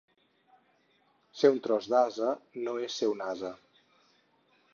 Ser un tros d'ase no és ser un ase.